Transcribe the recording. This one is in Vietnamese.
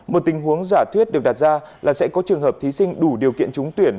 một tình huống giả thuyết được đặt ra là sẽ có trường hợp thí sinh đủ điều kiện trúng tuyển